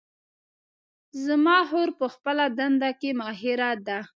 زما خور په خپله دنده کې ماهره ده